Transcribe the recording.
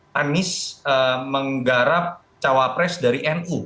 panis menggarap cawapres dari nu